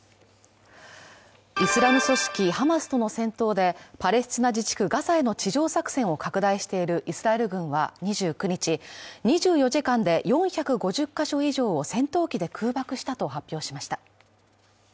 イスラム組織ハマスとの戦闘でパレスチナ自治区ガザへの地上作戦を拡大しているイスラエル軍は２９日、２４時間で４５０か所以上を戦闘機で空爆したと発表しました。